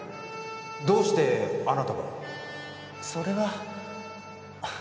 どうしてあなたが？それは。